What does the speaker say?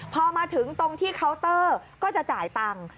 พอมาถึงตรงที่เคาน์เตอร์ก็จะจ่ายตังค์